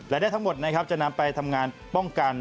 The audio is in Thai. และทั้งหมดจะนำไปทำงานป้องกัน